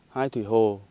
hai thủy hồ